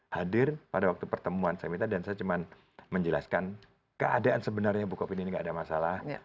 hadir pada waktu pertemuan saya minta dan saya cuma menjelaskan keadaan sebenarnya bu kopi ini tidak ada masalah